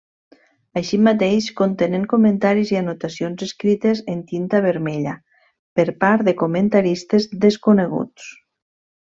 Així mateix contenen comentaris i anotacions escrites en tinta vermella per part de comentaristes desconeguts.